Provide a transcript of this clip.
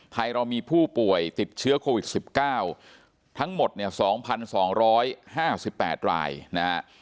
ไทยเรามีผู้ป่วยติดเชื้อโควิด๑๙ทั้งหมด๒๒๕๘รายนะครับ